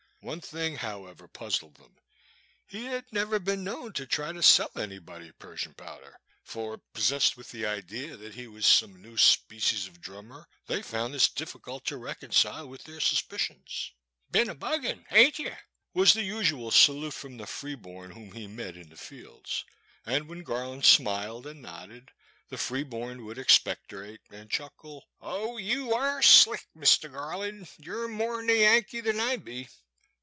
One thing, however, puzzled them; he had never been known to try to sell anybody Persian Powder, for, possessed with the idea that he was some new species of drummer, they found this difficult to reconcile with their suspicions. '*Bin a buggin*, haint ye?'' was the usual salute from the free bom whom he met in the fields; and when Garland smiled and nodded, the free bom would expectorate and chuckle, 0h, yew air slick. Mister Garland, yew 're more *n a Yankee than I be.'